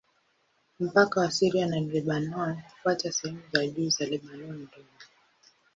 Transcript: Mpaka wa Syria na Lebanoni hufuata sehemu za juu za Lebanoni Ndogo.